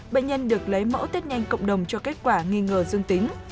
bệnh nhân được lấy mẫu tết nhanh cộng đồng cho kết quả nghi ngờ dương tính